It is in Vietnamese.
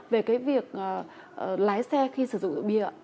về cái việc lái xe khi sử dụng dụng bia